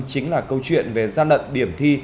chính là câu chuyện về gian lận điểm thi